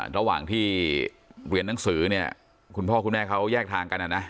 ระหว่างที่เรียนหนังสือเนี่ยคุณพ่อคุณแม่เขาแยกทางกันนะ